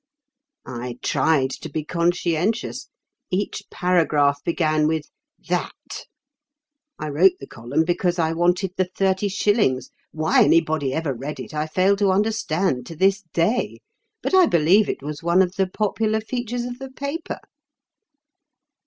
I tried to be conscientious. Each paragraph began with 'That.' I wrote the column because I wanted the thirty shillings. Why anybody ever read it, I fail to understand to this day; but I believe it was one of the popular features of the paper.